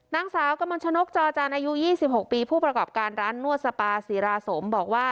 นางสาวกมลชนกจอจานอายุ๒๖ปีผู้ประกอบการร้านนวดสปาศิราสมบอกว่า